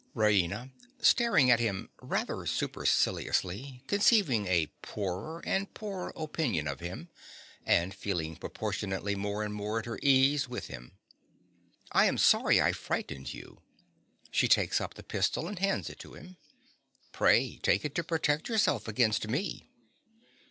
RAINA. (_staring at him rather superciliously, conceiving a poorer and poorer opinion of him, and feeling proportionately more and more at her ease with him_). I am sorry I frightened you. (She takes up the pistol and hands it to him.) Pray take it to protect yourself against me.